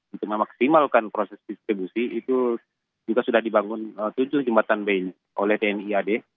untuk memaksimalkan proses distribusi itu juga sudah dibangun tujuh jembatan oleh tni ad